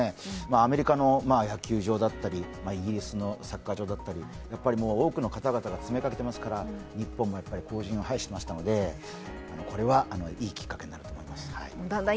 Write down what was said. アメリカの野球場だったりイギリスのサッカー場だったり、多くの方々が詰めかけていますから、日本も後塵を拝しましたのでこれはいいきっかけになると思います。